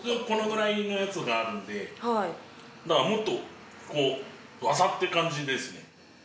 このくらいのやつがあるんでだからもっとワサッって感じですね。